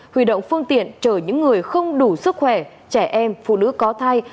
huy động phương tiện chở những người không đủ sức khỏe trẻ em phụ nữ có thai